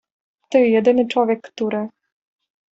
"Ty, jedyny człowiek, który..."